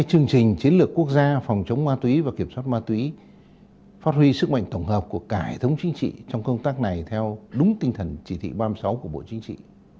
chương trình chiến lược quốc gia phòng chống ma túy và kiểm soát ma túy phát huy sức mạnh tổng hợp của cả hệ thống chính trị trong công tác này theo đúng tinh thần chỉ thị ba mươi sáu của bộ chính trị